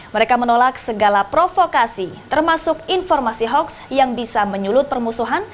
mereka menolak segala provokasi termasuk informasi hoax yang bisa menyulut permusuhan